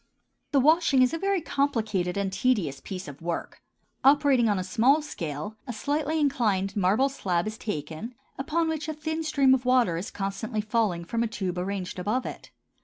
The washing is a very complicated and tedious piece of work. Operating on a small scale, a slightly inclined marble slab is taken, upon which a thin stream of water is constantly falling from a tube arranged above it.